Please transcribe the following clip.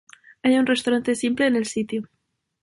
Hay un restaurante simple en el sitio.